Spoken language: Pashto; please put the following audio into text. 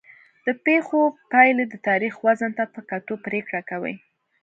د پېښو پایلې د تاریخ وزن ته په کتو پرېکړه کوي.